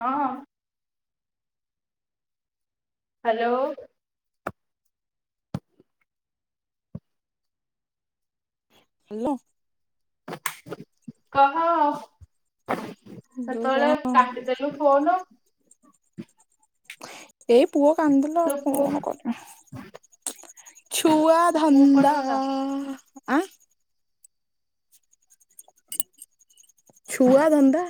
ହଁ hello hello କହ ତୁ କହ ସେତେବେଳେ କାଟି ଦେଲୁ ଫୋନ? ଏଇ ପୁଅ କାନ୍ଦିଲା। ତୋ ଆଉ ପୁଅ କଣ କରିମା। ଛୁଆ ପୁଅ କୁଆଡେ ଧନ୍ଦା ଗଲା? ଆଆ। ଆଁ ଛୁଆ ଧନ୍ଦା।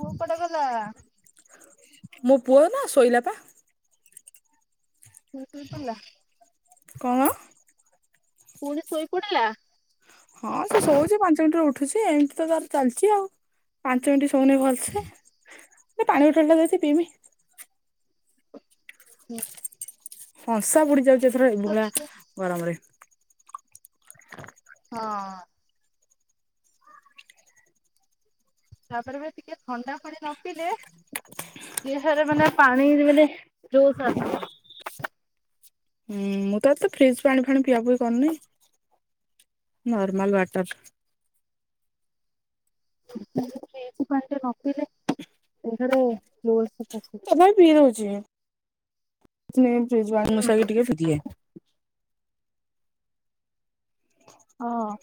କୌ ପଟେ ଗଲା? ମୋ ପୁଅ ନା, ଶୋଇଲା ପା। ପୁଅ ଶୋଇପଡିଲା? କଣ? ପୁଣି ଶୋଇପଡିଲା? ହଁ ସେ ଶୋଉଛି, ପାଞ୍ଚ ମିନିଟରେ ଉଠୁଛି, ଏମିତି ତ ତାର ଚାଲିଛି ଆଉ। ପାଞ୍ଚ ମିନିଟ୍ ଶୋଉନି ଭଲସେ। ବେ ପାଣି ବୋଟଲ ଟା ଦେତି ପିଇମି। ହୁଁ। ହଁସା ବୁଡି ଯାଉଛି ଏଥର ଏଭଳିଆ ଗରମରେ। ହଁ। ତାପରେ ବି ଟିକେ ଥଣ୍ଡା ପାଣି ନ ପିଇଲେ ଦିହରେ ମାନେ ପାଣିରେ ହେଲେ ଜୋସ ଆସିବ। ହୁଁ ମୁଁ ତ ଏତେ ଫ୍ରିଜ ପାଣି ଫାଣି ପିଆ ପି କରୁନି ନର୍ମାଲ ୱାଟର। ଫ୍ରିଜ ପାଣିଟା ନ ପିଲେ, ଦେହରେ ଜୋସ [unintelligible] ନାଇ ପିଇ ଦଉଛି। [unintelligible] ହୁଁ। ମିଷେଇକି ଟିକେ ପି ଦିଏ। ହଁ।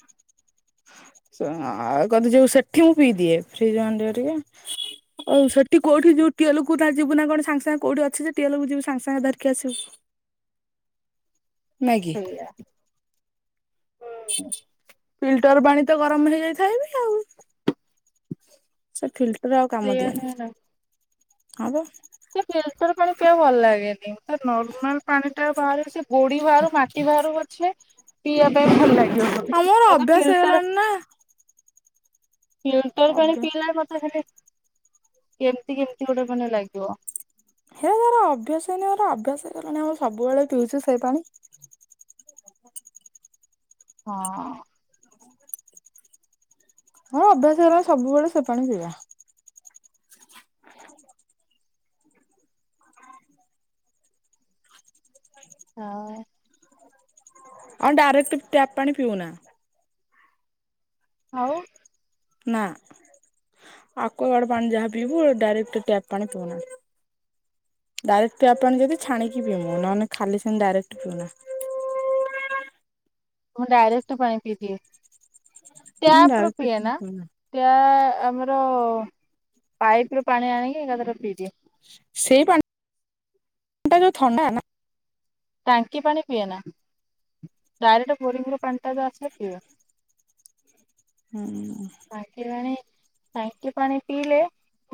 ସ ଆଁଉ କଣତ ଯୋଉ ସେଠି ମୁଁ ପିଇଦିଏ। ଫ୍ରିଜ ପାଣି ଟିକେ ଟିକେ। ହଉ ସେଠି କୋଉଠି ଯଉ ଟିଏଲୁକୁ ତା ଯୁ ନା କଣ ସାଙ୍ଗ ସାଙ୍ଗ କୋଉଠି ଅଛି ଯେ ଟିଏଲକୁ ଯିବ ସାଙ୍ଗ ସାଙ୍ଗ ଧରିକି ଆସିବୁ। ନାଗି। ସେଇଆ ଫିଲ୍ଟର ପାଣି ତ ଗରମ ହେଇଯାଇଥାଏ ବି ଆଉ। ସେ ଫିଲ୍ଟର ଆଉ କାମ ସେଇଆ ନୁହେଁ ଦିଏନି। ନା ହଁ ପା। ସେ ଫିଲଟର ପାଣି ପିଆକୁ ଭଲ ଲାଗେନି ନର୍ମାଲ ପାଣି ଟା ବାହାରେ ସେ ଗୋଡି ବାହାରୁ ମାଟି ବାହାରୁ ଅଛେ ପିଇବା ପାଇଁ ଭଲ ଲାଗେ। ଆମର ଅଭ୍ୟାସ ହେଇଗଲାଣି ନା? ଫଟର ପାଣି ଅଭ୍ୟା ପିଇ [unintelligible] କେମତି କେମିତି ଗୋଟେ ମାନେ ଲାଗିବ? ହେ ମୋର ଅଭ୍ୟାସଇନର ଅଭ୍ୟାସ କଲାଣି ଆମେ ସବୁବେଳେ ପିଉଛି ସେ ପାଣି? ହଁ। ମୋ ଅଭ୍ୟାସ ହେଲାଣି ସବୁବେଳେ ସେ ପାଣି ପିଇବା। ଅଁ ଆମ୍ ଡାଇରେକ୍ଟ୍ ଟ୍ୟାପ୍ ପାଣି ପିଉନା? ଆଉ? ନା ଆକ୍ୱାଗାର୍ଡ ପାଣି ଯାହା ପିଇବୁ ଡାଇରେକ୍ଟ ଟ୍ୟାପ ପାଣି ପିଉନା? ଡାଇରେକ୍ଟ୍ ଟ୍ୟାପ ପାଣି ଯଦି ଛାଣିକି ପିଇମୁ ନନେ ଖାଲି ସେମିତି ଡାଇରେକ୍ଟ୍ ପିଉନା? ମୁଁ ଡାଇରେକ୍ଟ ପାଣି ପିଦିଏ ହୁଁ ଟ୍ୟାପ୍ ରୁ ଡାଇରେକ୍ଟ ପିଏ ପାଣି ନା? ପିଉନା ଟ୍ୟା ଆମର ପାଇପ୍ ରୁ ପାଣି ଆଣିକି ଏକାଥରେ ପିଇଦିଏ। ସେଇ ପାଣି ଟା ଯୋଉ ଥଣ୍ଡା ନା? ଟାଙ୍କି ପାଣି ପିଏ ନା ଡାଇରେକ୍ଟେ ବୋରିଂ ରୁ ପାଣି ଟା ଯୋଉ ଆସିଲେ ପିଏ। ହୁଁ। ଟାଙ୍କି ପାଣି ଟାଙ୍କି ପାଣି ପିଇଲେ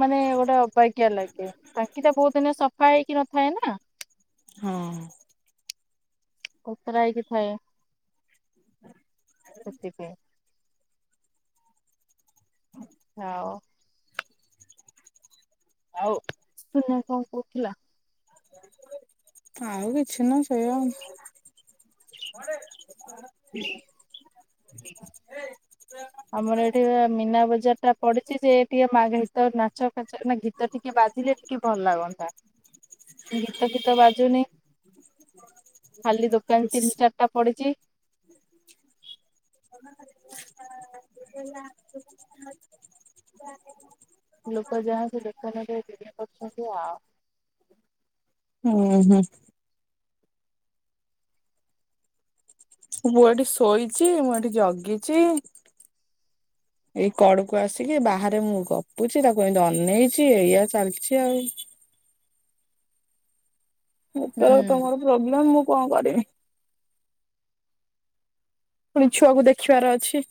ମାନେ ଗୋଟେ ଅବାଗ୍ୟା ଲାଗେ ଟାଙ୍କି ଟା ବହୁତ୍ ଦିନ ସଫା ହେଇକି ନଥାଏ ନା? ହଁ। କୋତରା ହେଇକି ଥାଏ ସେଥିପାଇଁ ଉଁ ଆଉ? ଆଉ ସୁନା କଣ କହୁଥିଲା? ଆଉ କିଛି ନୁଅ ସେୟା ଆଉ। [inaudible] ଆମର ଏଠି ଏ ମୀନା ବଜାର ଟା ପଡିଚି ଯେ ଟିଏ [unintelligible] ଗୀତ ନାଚ ଫାଚ ନା ଗୀ ଗୀତ ଟିକେ ବାଜିଲେ ଟିକେ ଭଲ ଲାଗନ୍ତା ଗୀତ ଫୀତ ବାଜୁନି। ଖାଲି ଦୋକାନ କିଛି ତିନି ଚାରିଟା ପଡିଚି। [inaudible] ଲୋକ ଯାହା ସେ ଦୋକାନରେ [unintelligible] କରୁଛନ୍ତି ଆଉ। ହୁଁ ହୁଁ। ପୁଅ ଏଠି ଶୋଇଛି ମୁଁ ଏଠି ଜଗିଛି। [inaudible] ଏଇ କଡୁକୁ ଆସିକି ବାହାରେ ମୁଁ ଗପୁଛି ତାକୁ ଏମତି ଅନେଇଛି ଏଇଆ ଚାଲିଛି ଆଉ? ମୁଁ ହୁଁ ପଳେଇଲେ ତମର ପ୍ରୋବ୍ଲେମ୍ ମୁଁ କଣ କରିବି? ପୁଣି ଛୁଆକୁ ଦେଖିବାର ଅଛି?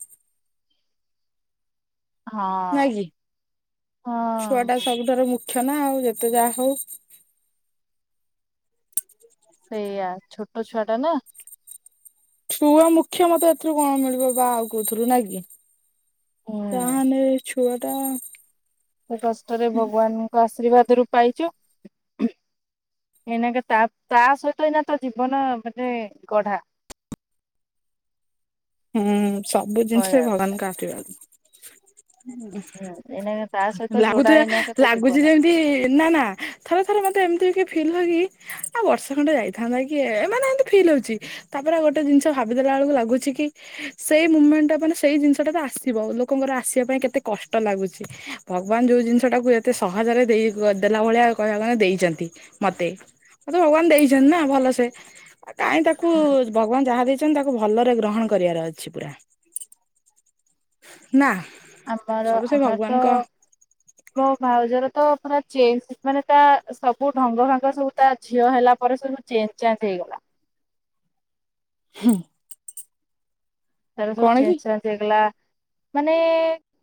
ହଁ ନା କି? ଛୁଆ ହଁ ଟା ସବୁଠାରୁ ମୁ ଖ୍ୟ ନା ଯେତେ ଯାହା ହଉ ସେଇଆ ଛୋଟ ଛୁଆ ଟା ନା? ଛୁଆ ମୁଖ୍ୟ ମତେ ଏଥିରୁ କଣ ମିଳିବ ବା ଆଉ କୋଉଥିରୁ ନା କି? ହୁଁ କହନି ଏ ଛୁଆ ଟା? ବହୁତ୍ କଷ୍ଟରେ ଭଗବାନଙ୍କ ଆଶୀର୍ବାଦ ରୁ ପାଇଚୁ? ଏଇନାଙ୍କେ ତା ତା ସହିତ ଏଇନା ତ ଜୀବନ ମାନେ ଗଢା। ହେଁ ସବୁ ଜିନିଷରେ କହିବାକୁ ଗଲେ ଭଗବାନଙ୍କ ଆଶୀର୍ବାଦ। ହୁଁ ଏଇନାକେ ତା ସହିତ ଯୋଡା ଲାଗୁଥିଲା ଏଇନାକେ ତୋ ଲାଗୁଚି ଜୀବନ। ଯେମିତି ନା ନା ଥରେ ଥରେ ମତେ ଏମିତି ବି କିଏ ଫିଲ୍ ହୁଏ କି ଆଉ ବର୍ଷୈ ଖଣ୍ଡେ ଯାଇଥାନ୍ତା କି ଏ ମାନେ ଏମିତି ଫିଲ୍ ହଉଚି। ତାପରେ ଗୋଟେ ଜିନିଷ ଭାବି ଦେଲା ବେଳକୁ ଲାଗୁଛି କି ସେଇ ମୁମେଣ୍ଟ ଟା ମାନେ ସେଇ ଜିନିଷ ଟା ତ ଆସିବ ଲୋକଙ୍କର ଆସିବା ପାଇଁ କେତେ କଷ୍ଟ ଲାଗୁଛି। ଭଗବାନ ଯୋଉ ଜିନିଷ ଟାକୁ ଏତେ ସହଜରେ ଦେଇ ଦେଲା ଭଳିଆଉ କହିବା କୁ ଗଲେ ଦେଇଛନ୍ତି। ମତେ ମତେ ଭଗବାନ ଦେଇଛନ୍ତି ନା ଭଲ ସେ। କାହିଁ ତାକୁ ଭଗବାନ ଯାହା ଦେଇଛନ୍ତି ତାକୁ ଭଲରେ ଗ୍ରହଣ କରିବାର ଅଛି ପୁରା ନା? ଆମର ସବୁ ସେ ଆମର ତ ଭଗବାନଙ୍କ ମୋ ଭାଉଜର ତ ପୁରା ଚେଞ୍ଜ ମାନେ ତା ସବୁ ଢଙ୍ଗ ଭଙ୍ଗ ସବୁ ତା ଝିଅ ହେଲା ପରେ ସବୁ ଚେଞ୍ଜ ଚାଞ୍ଜ ହେଇଗଲା। ହୁଁ। ତାର ସବୁ ଚେଞ୍ଜ ଚାଞ୍ଜ ହେଇଗଲା ମାନେ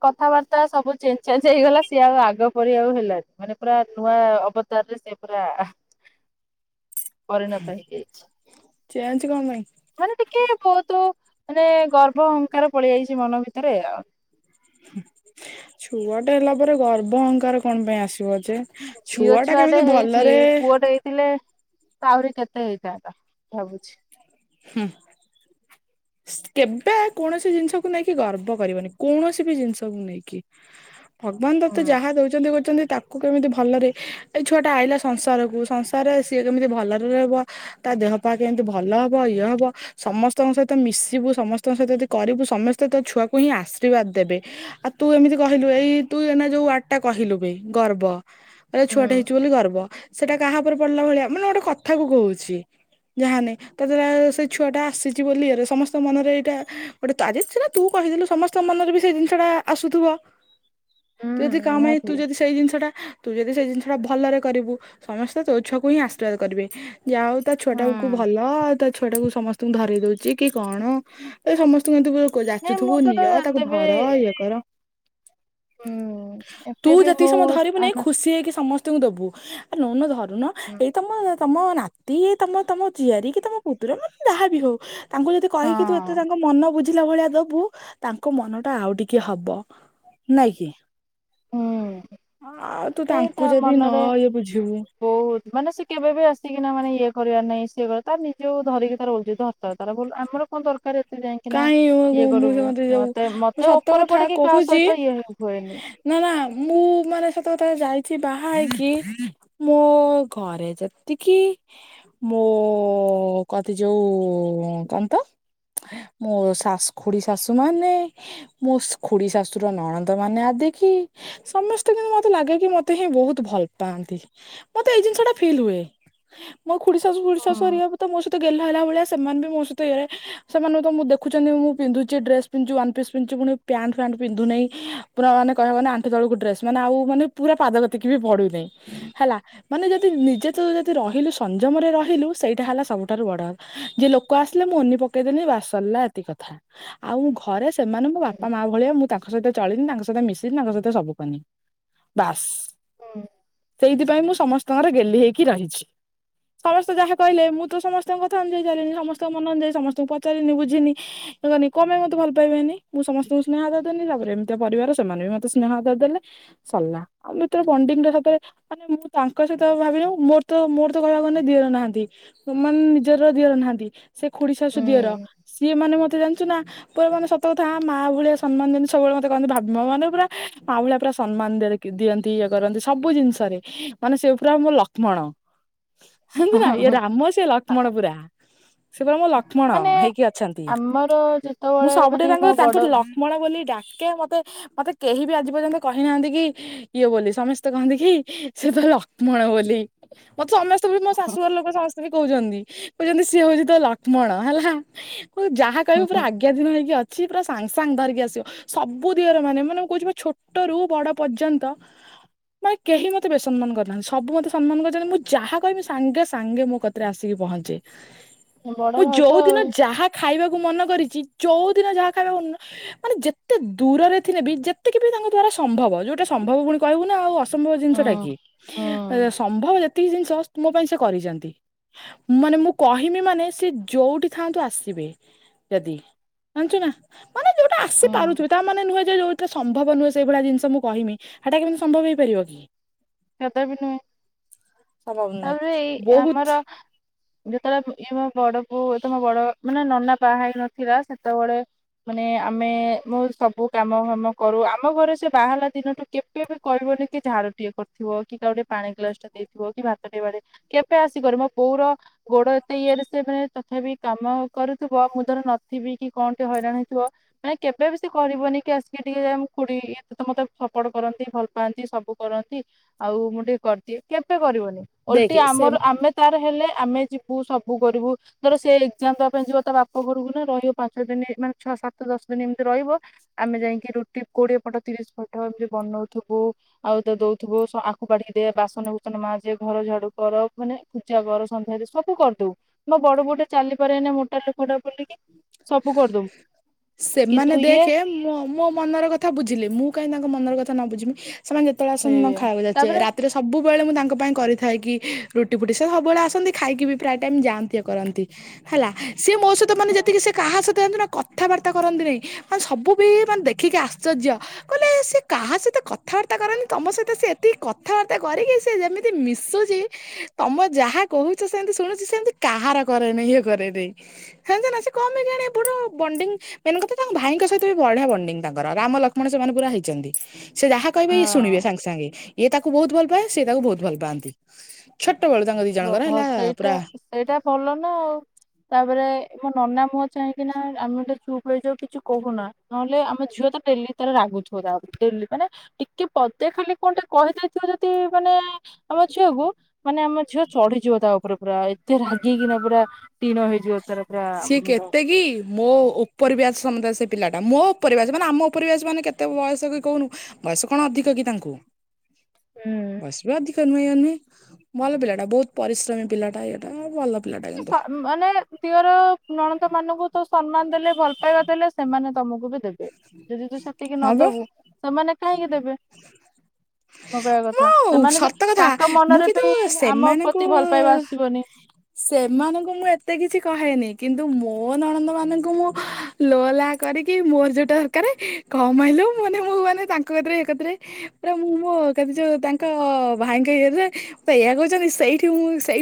କଥାବାର୍ତ୍ତା ସବୁ ଚେଞ୍ଜ ଚାଞ୍ଜ ହେଇଗଲା। ସିଏ ଆଉ ଆଗ ପରି ଆଉ ହେଲାାନି ମାନେ ପୁରା ନୂଆ ଅବ ତଦେହରେ ସେପରା ପରିଣତ ହେଇଯାଇଛି। ଚେଞ୍ଜ କଣ ପାଇଁ ମାନେ ଟିକେ ବହୁତ ମାନେ ଗର୍ଭ ଅହଙ୍କାର ପଳ ଯାଇଛି ମନ ଭିତରେ ଆଉ। ଛୁଆଟା ହେଲା ପରେ ଗର୍ବ ଅହଙ୍କାର କଣ ପାଇଁ ଆସିବ ଯେ? ଝିଅ ଛୁଆ ଟା ଛୁଆଟେ କେମିତି ହେଇଛି ଭଲରେ ପୁଅଟେ ହେଇଥିଲେ? ତ ଆହୁରି କେତେ ହେଇଥାନ୍ତା ଭାବୁଛି? ହୁଁ। କେବେ କୌଣସି ଜିନିଷକୁ ନେଇକି ଗର୍ବ କରିବନି କୌଣସି ବି ଜିନିଷକୁ ନେଇକି। ଭଗବାନ ତୋତେ ହୁଁ। ଯାହା ଦଉଛନ୍ତି କହୁଛନ୍ତି ତାକୁ କୁ କେମିତି ଭଲରେ ଏଇ ଛୁଆ ଟା ଆଇଲା ସଂସାର କୁ ସଂସାରରେ ସିଏ କେମିତି ଭଲରେ ରହିବ? ତା ଦେହ ପାହା କେମିତି ଭଲ ହବ ଇଏ ହବ ସମସ୍ତଙ୍କ ସହିତ ମିଶିବୁ ସମସ୍ତଙ୍କ ସହିତ ଯଦି କରିବୁ ସମସ୍ତେ ତ ଛୁଆକୁ ହିଁ ଆଶୀର୍ବାଦ ଦେବେ। ଆଉ ତୁ ଏମିତି କହିଲୁ ଏଇ ତୁ ଏନା ଯୋଉ ୱାଡଟା କହିଲୁ ବେ ଗର୍ବ ଏ ଛୁଆଟା ହୁଁ ହେଇଛି ବୋଲି ଗର୍ବ। ସେଟା କାହା ଉପରେ ପଡିଲା ଭଳିଆ ମାନେ ଗୋଟେ କଥା କ କହୁଛି ଯାହାନାଇ ତାଦ୍ଵାରା ସେ ଛୁଆଟା ଆସିଛି ବୋଲି ରେ ସମସ୍ତଙ୍କ ମନରେ ଏଇଟା ଗୋଟେ ତାରିଖ ଥିଲା ତୁ କହିଦେଲୁ ସମସ୍ତେ ସମସ୍ତଙ୍କ ମନରେ ବି ସେ ଜିନିଷଟା ଆସୁଥିବ। ତୁ ହୁଁ ଯଦି କାହା ପାଇଁ ତୁ ନିହାତି ଯଦି ସେଇ ଜିନିଷ ଟା ତୁ ଯଦି ସେଇ ଜିନିଷ ଟା ଭଲରେ କରିବୁ ସମସ୍ତେ ତୋ ଛୁଆକୁ ହିଁ ଆଶୀର୍ବାଦ କରିବେ। ଯା ଆଉ ତା ଛୁଆ ହୁଁ ଟା କୁ ଭଲ ଆଉ ତା ଛୁଆ ଟାକୁ ସମସ୍ତଙ୍କୁ ଧରେଇ ଦଉଛି କି କଣ? ଏ ସମସ୍ତଙ୍କୁ ନାଇଁ ମୁଁ ଯାଚୁଥିବୁ ତ ତ ନିଅ ଏତେ ତାକୁ ବି ଧର ଇଏ କର। ହୁଁ ତୁ ଏତେ ବି ଯେତିକି ମୁଁ ସମୟ ଧରିବୁନି ଆମେ ଖୁସି ହେଇକି ସମସ୍ତେ ଦେବୁ ଆ ନଉନ ଧରୁନ ହଁ ଏଇ ତମ ତମ ନାତି ଏ ତମ ତମ ଝିଆରୀ କି ତମ ପୁତୁରା ମାନେ ଯାହା ବିି ହଉ ତାଙ୍କୁ ଯଦି କହିକି ତୁ ଏତେ ତାଙ୍କ ମନ ବୁଝ ଆଲା ଭଳିଆ ଦବୁ ତାଙ୍କ ମନ ଟା ଆଉ ଟିକେ ହବ ନାଇଁ କି? ହୁଁ ଆଉ ତୁ ନାଇଁ ତା ତାଙ୍କୁ ଯଦି ନ ମନରେ ଇଏ ବୁଝିବୁ? ବହୁତ ମାନେ ସେ କେବେ ବି ଆସିକି ନା ମାନେ ଇଏ କରିବା ନାାଇଁ ସିଏ କରିବା ତାର ନିଜେ ଧରିକି ତ ରହିଛି। ତାର ଆମର କଣ ଦରକାର? ସେ ଯାଇକିନା କାହିଁ ମୁଁ ଇଏ ମୁଁ କରିବୁ ସେମତି ଯୋଉ ମତେ ମୁଁ ମତେ ସତ ଉପରେ କଥା ପଢିକି କାହା କହୁଛି ସହିତ ଇଏ ହୁଏନି। ନା ନା ମୁଁ ମାନେ ସେତେ କଥା ଯାଇଛି ବାହା ହେଇକି ମୋ ଘରେ ଯେତିକି ମୁଁ କତି ଯୋଉ କଣ ତ ମୋ ଶାଶୁ ଖୁଡି ଶାଶୁ ମାନେ ମୋ ଖୁଡି ଶାଶୁର ନଣନ୍ଦ ମାନେ ଆଦେ କି ସମସ୍ତେ କିନ୍ତୁ ମତେ ଲାଗେ କି ମତେ ହିଁ ବହୁତ ଭଲ ପାଆନ୍ତି। ମତେ ଏଇ ଜିନିଷ ଟା ଫିଲ୍ ହୁଏ। ମୋ ଖୁଡିଶାଶୁ ଖୁଡିଶାଶୁ ହୁଁ ହେରିକା ତ ମୋ ସହିତ ଗେଲ୍ହା ହେଲା ଭଳିଆ ସେମାନେ ବି ମୋ ସହିତ ଇଏ ସେମାନେ ତ ମୁଁ ଦେଖୁଚନ୍ତି ମୁଁ ପିନ୍ଧୁଚି ଡ୍ରେସ୍ ପି ଯଉ ୱାନ୍ ପିସ୍ ପିନ୍ଧୁ ପୁଣି ପ୍ୟାଣ୍ଟ ଫ୍ୟାଣ୍ଟ ପିନ୍ଧୁ ନାହିଁ। ପୁରା ମାନେ କହିବାକୁ ଗନେ ଆଣ୍ଠୁ ତଳକୁ ଡ୍ରେସ୍ ମାନେ ଆଉ ମାନେ ପୁରା ପାଦ ଗତିକି ବି ପଡୁ ନାହିଁ ହେଲା। ମାନେ ଯଦି ନିଜେ ତ ଯଦି ରହିଲୁ ସଂଯମରେ ରହିଲୁ ସେଇଟା ହେଲା ସବୁଠାରୁ ବଡ଼। ଯିଏ ଲୋକ ଆସିଲେ ମୁଁ ଉନି ପକେଇଦେଲିି ବାସ୍। ସରିଲା ଏତିକ କଥା ଆଉ ମୁଁ ଘରେ ସେମାନଙ୍କୁ ବାପା ମା ଭଳିଆ ମୁଁ ତା ତାଙ୍କ ସହିତ ଚଳିନି ତାଙ୍କ ସହିତ ମିଶିନି ତାଙ୍କ ସହିତ ସବୁ କନି ବାସ୍। ହୁଁ। ସେଇଥିପାଇଁ ମୁଁ ସମସ୍ତଙ୍କର ଗେଲ୍ଲୀ ହେଇକି ରହିଛି। ସମସ୍ତେ ଯାହା କହିଲେ ମୁଁ ତ ସମସ୍ତଙ୍କ କଥା ଅନୁଯାୟୀ ଚାଲଲିିନି ସମସ୍ତଙ୍କ ମନ ଅନୁଯାୟୀ ସମସ୍ତଙ୍କୁ ପଚାରିନି ବୁ ଝିନି କଣ ପାଇଁ ମୋତେ ଭଲ ପାଇବେନି ମୁଁ ସମସ୍ତଙ୍କୁ ସ୍ନେହ ଆଦର ଦେନି ତାପରେ ଏମିତିଆ ପରିବାର ସେମାନେ ବି ମତେ ସ୍ନେହ ଆଦର ଦେଲେ ସଲା ଆଉ ଭିତରେ ପଣ୍ଡିଙ୍ଗରେ ସତରେ। ମାନେ ମୁଁ ତାଙ୍କ ସହିତ ଭାବିନୁ ମୋର ତ ମୋର ତ କହିବାକୁ ଗନେ ଦିଅର ନାହାନ୍ତି। ମାନେ ନିଜର ଦିଅର ନାହାନ୍ତି ସେ ଖୋଡି ଶାଶୁ ଦିଅର ହୁଁ ସିଏ ମାନେ ମତେ ଜାଣିଛୁ ନା। ପୁରା ମାନେ ସତ କଥା ମା ଭଳିଆ ସମ୍ମାନ ଦିଅନ୍ତି ସବୁବେଳେ ମତେ କହନ୍ତି ଭାବ ମାନେ ପୁରା ମା ଭଳିଆ ପୁରା ସମ୍ମାନ ଦେ ଦିଅନ୍ତି ଇଏ କରନ୍ତି ସବୁ ଜିନିଷରେ ମାନେ ସେ ପୁରା ମୋ ଲକ୍ଷ୍ମଣ। ଲକ୍ଷ୍ମୀ ହେମନ୍ତି ନା ଇଏ ରାମ ସେ ଲକ୍ଷ୍ମଣ ପୁରା ସେ ପୁରା ମୋ ଲକ୍ଷ୍ମଣ ମାନେ ହେଇକି ଅ ଛନ୍ତି ଆମର ମୁଁ ଯେତେବେଳେ ସବୁଠେ ମାନେ ମୋ ତାଙ୍କ ତାଙ୍କୁ ବଡ ଲ ମଣ ବୋଲି ଡାକେ ମତେ ମତେ କେହି ବି ଆଜି ପର୍ଯ୍ୟନ୍ତ କହିନାହାନ୍ତି କି ଇଏ ବୋଲି ସମସ୍ତେ କହନ୍ତି କି ସେ ତ ଲକ୍ଷ୍ମଣ ବୋଲି ମତେ ସମ [unintelligible] ମୋ ହୁଁ ଶାଶୁଘର ଲୋକ ସମସ୍ତେ ବି କହୁଛନ୍ତି କହୁଛନ୍ତି ସିଏ ହଉଚି ତ ଲକ୍ଷ୍ମଣ ହେଲା। ମୁଁ ଯାହା କହିବୁ ପୁରା ହୁଁ ଆଜ୍ଞା ଧିନ ହେଇକି ଅଛି ପୁରା ସାଙ୍ଗ ସାଙ୍ଗ ଧରିକି ଆସିବ। ସବୁ ଦିଅର ମାନେ ମାନେ ମୁଁ କହୁଛି ଛୋଟରୁୁ ବଡ ପର୍ଯ୍ୟନ୍ତ। ମାନେ କେହି ମୋତେ ବେ ସମ୍ମାନ କରିନାହାନ୍ତି ସବୁ ମତେ ସମ୍ମାନ କରିଛନ୍ତି ମୁଁ ଯାହା କହିମି ସାଙ୍ଗେ ସାଙ୍ଗେ ମୋ କ ରେ ଆସିକି ପହଞ୍ଚେ। ସାଙ୍ଗେ ମୁଁ ଯୋଉ ଦିନ ଯାହା ଖାଇବାକୁ ମନ କରିଚି ଯୋଉଦିନ ଯାହା ଖାଇବାକୁ ମାନେ ଯେତେ ଦୂରରେ ଥିଲେ ବି ଯେତିକି ବି ତାଙ୍କ ଦ୍ଵାରା ସମ୍ଭବ ଯୋଉଟା ସମ୍ଭବ ପୁଣି କହିବୁ ନା ଆଉ। ଅସମ୍ଭବ ହୁଁ ଜିନିଷଟା କି ହୁଁ ଏ ସମ୍ଭବ ଯେ ତିକି ଜିନିଷ ମୋ ପାଇଁ ସେ କରିଛନ୍ତି ମାନେ ମୁଁ କହିମି ମାନେ ସେ ଯୋଉଠି ଥାଆନ୍ତୁ ଆସ ଜାଣିଛୁ ନା ମାନେ ଯୋଉଟା ଆସି ହୁଁ ପାରୁଥିବେ ତା ମାନେ ନୁହେଁ ଯଉଥା ସମ୍ଭବ ନୁହେଁ ସେଇ ଭଳି ଜିନିଷ ମୁଁ କହିମି ହେଟା କେମିତି ସମ୍ଭବ ହେଇପାରିବ କି। ସାଧା ବି ନୁହେଁ ସମ୍ଭବ ନୁହେଁ ତାପରେ ଏଇ ବହୁତ ଆମର। ଯେତେବେଳେ ଇଏ ମୋ ବଡକୁ ଏ ତମ ବଡ ମାନେ ନନା ପାହା ହେଇ ନଥିଲା ସେତେବଳେ। ମାନେ ଆମେ ମୁଁ ସବୁ କାମ ଫାମ କରୁ ଆମ ଘରେ ସେ ବାହା ହେଲା ଦିନଠୁ କେବେ ବି କହିବନି କି ଝାଡୁ ଟିଏ କରିଥିବ କି କା କୁ ଗୋଟେ ପାଣି ଗ୍ଲାସ ଟା ଦେଇଥିବ କି ଭାତ ଟେ ବାଢ଼େ କେବେ ଆସିକରି ମୋ ବଉର। ଗୋଡ ଏତେ ଇଏରେ ସେ ମାନେ ତଥାପି କାମ କରୁଥିବ ମୁଁ ଧର ନଥିବି କି କଣ ଟେ ହଇରାଣ ହେଇଥିବ। ମାନେ କେବେ ବି ସେ କରିବନି କି ଆସିକି ଟିକେ ମୋ ଖୁଡି ଏ ସେତ ମତେ ସପୋର୍ଟ କରନ୍ତି ଭଲ ପାଆନ୍ତି ସବୁ କରନ୍ତି। ଆଉ ମୁଁ ଟିକିଏ କରିଦିଏ କେବେ କରିବନି ଓଲଟି ଦେଖେ ସେ ଆମର ଆମେ। ତାର ହେଲେ ଆମେ ଯିବୁ ସବୁ କରିବୁ। ଧର ସେ ଏକ୍ଜାମ ଦବା ପାଇଁ ଯିବ ତା ବାପ ଘରକୁ ନା ରହିବ ପାଞ୍ଚ ଛଅ ଦିନି ମାନେ ଛଅ ସାତ ଦଶ ଦିନି ଏମିତି ରହିବ ଆମେ ଯାଇକି ରୁଟି କୋଡିଏ ପଟ ତିରିଶ ପଟ ଏମିତି ବନଉଥୁବୁ ଆଉ ତ ଦଉ ଥିବୁ ସ ଆଖୁ ବାଢିକି ଦେ ବାସନ କୁସନ ମାଜେ ଘର ଝାଡୁ କର ମାନେ ପୋଛା କର ସନ୍ଧ୍ୟା ଦେ ସବୁ କରିଦଉ। ମୋ ବଡ ବୋଉଟା ଚାଲିପାରେ ନି ମୋଟା ଲୋକଟା ବୋଲିକି। ସବୁ କରିଦବୁ ସେମାନେ କିନ୍ତୁ ଇଏ ଦେଖେ ମୋ ମୋ ମନର କ କଥା ବୁଝିଲେ ମୁଁ କାହିଁ ତାଙ୍କ ମନର କଥା ନ ବୁଝିବି ସେମାନେ ଯେତେବେଳେ ଆସନ୍ତି ମୁଁ ତାଙ୍କୁ ସେଇଆ ଖାଇବାକୁ ଯାଚେ ତାପରେ ରା ସେଥିରେ ସବୁବେଳେ ମୁଁ ତାଙ୍କ ପାଇଁ କରିଥାଏ କି ରୁଟି ଫୁଟି ସେ ସବୁବେଳେ ଆସନ୍ତି ଖାଇକି ବି ପ୍ରାୟ ଟାଇମ୍ ଯାଆନ୍ତି ଏ କରନ୍ତି। ହେଲା ସିଏ ମୋ ସହିତ ମାନେ ଯେତିକି ସେ କାହା ସହିତ ଯାଣିଚୁ ନା କଥାବାର୍ତ୍ତା କରନ୍ତି ନାହିଁ ମାନେ ସବୁ ବି ମାନେ ଦେଖିକି ଆଶ୍ଚର୍ଯ୍ୟ। କହିଲେ ସିଏ କାହା ସହିତ କଥାବାର୍ତ୍ତା କରେନି ତମ ସହିତ ସେ ଏତିକି କଥାବାର୍ତ୍ତା କରିକି ସେ ଯେମିତି ମିଶୁଛି ତମ ଯାହା କହୁଛ ସେମିତି ଶୁଣୁଛି ସେମିତି କାହାର କରେନି ଇଏ କରେନି ଜାଣିଛ ନା ସେ କମେଇ କିଆଣି ଏ ପଟର ବଣ୍ଡିଙ୍ଗ ମେନ୍ କଥା ତାଙ୍କ ଭାଇଙ୍କ ସହିତ ବି ବଢିଆ ବଣ୍ଡିଙ୍ଗ ତାଙ୍କର ରାମ ଲକ୍ଷ୍ମଣ ସେମାନେ ପୁରା ହେଇଛନ୍ତି ସେ ଯାହା କହିବେ ଇଏ ହଁ ଶୁଣିବେ ସାଙ୍ଗେ ସାଙ୍ଗେ ଏ ତାକୁ ବହୁତ ଭଲ ପାଏ ସିଏ ତାକୁ ବହୁତ ଭଲ ପାଆନ୍ତି। ଛୋଟବେଳୁ ତାଙ୍କ ଦି ଜଣଙ୍କର ହେଲା ପୁରା ଏଇଟା ଭଲ ନା ଆଉ। ତାପରେ ମୋ ନନା ମୁହଁ ଚାହିଁକି ନା ଆମେ ଗୋଟେ ଚୁପ୍ ରହିଯାଉ କିଛି କହୁନା। ନହେଲେ ଆମ ଝିଅ ତ ଡେଲି ତାର ରାଗୁଥିବ ତା ଉପୁରୁକୁ ଡେଲି ମାନେ ଟିକେ ପଦେ ଖାଲି କଣ ଟେ କହିଦେଇଥିବ ଯଦି ମାନେ ଆମ ଝିଅକୁ ମାନେ ଆମ ଝିଅ ଚଢିଯିବ ତା ଉପରେ ପୁରା ଏତେ ରାଗିକିନା ପୁରା ଟିଣ ହେଇଯିବ ତାର ପୁରା ସିଏ ମୁଣ୍ଡ। କେତେ କି ମୋ ଓପର ବ୍ୟାଚ ସମସ୍ତ ସେ ପିଲାଟା ମୋ ଉପର ବ୍ୟାଚ ମାନେ ଆମ ଉପର ବ୍ୟାଚ ମାନେ କେତେ ବୟସକି କହୁନୁ? ବୟସ କଣ ଅଧିକ କି ତାଙ୍କୁ? ହୁଁ। ଆସିବା ଅଧିକ ନୁହେଁ ଇ ନୁହେଁ ଭଲ ପିଲାଟା ବହୁତ ପରିଶ୍ରମୀ ପିଲାଟା ଏଇଟା ଭଲ ପିଲାଟା ସ କିନ୍ତୁ। ମାନେ ତିଅର ନଣଦ ମାନଙ୍କୁ ତସ ସମ୍ମାନ ଦେଲେ ଭଲ ପାଇବା ଦେଲେ ସେମାନେ ତମକୁ ବି ଦେବେ। ଯଦି ତୁ ସେତିକି ହଁ ବା ନଦବୁ ସେମାନେ କାହିଁକି ଦେବେ। ମ କହିବା କଥା ମୁଁ ସେମାନେ ବି ସତ କଥା ତାଙ୍କ ମୁଁ ମନରେ କିନ୍ତୁ ବି ଆମ ପ୍ରତି ଭଲ ପାଇବା ସେମାନଙ୍କୁ ଆସିବନି। ସେମାନଙ୍କୁ ମୁଁ ଏତେ କିଛି କହେନି କିନ୍ତୁ ମୋ ନଣନ୍ଦ ମାନଙ୍କୁ ମୁଁ ଲୋ ଲା କରିକି ମୋର ଯୋଉଟା ଦରକାରେ କମେଇଲୋ ମାନେ ମୁଁ ମାନେ ତାଙ୍କ କତିରେ ଏ କତିରେ ପୁରା ମୁଁ ମୋ କତି ଯୋଉ ତାଙ୍କ ଭାଇଙ୍କ ଇରେ ତ ଏଇଆ କହୁଛନ୍ତି ସେଇଠି ମୁଁ ସେଇ